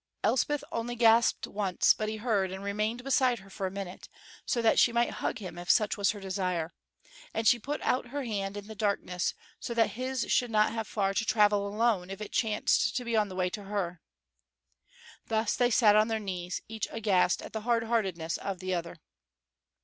Elspeth only gasped once, but he heard, and remained beside her for a minute, so that she might hug him if such was her desire; and she put out her hand in the darkness so that his should not have far to travel alone if it chanced to be on the way to her. Thus they sat on their knees, each aghast at the hard heartedness of the other.